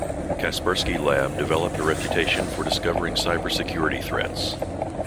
Kaspersky Lab developed a reputation for discovering cybersecurity threats.